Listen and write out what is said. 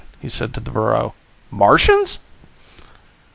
he said to the burro. "Martians?"